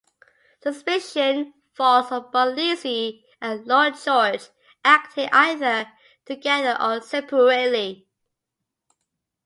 Suspicion falls on both Lizzie and Lord George, acting either together or separately.